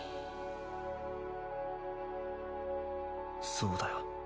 そうだよ